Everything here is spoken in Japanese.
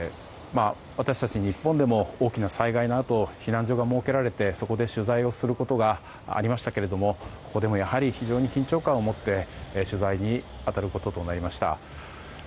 私たち、日本でも大きな災害のあと避難所が設けられてそこで取材することがありましたけれどもここでもやはり、非常に緊張感をもって取材に当たることとなりました。